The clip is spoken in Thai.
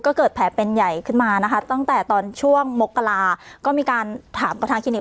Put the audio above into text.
ก็เกิดแผลเป็นใหญ่ขึ้นมานะคะตั้งแต่ตอนช่วงมกราก็มีการถามประธานคลินิก